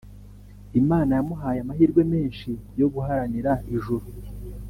Imana yamuhaye amahirwe menshi yo guharanira ijuru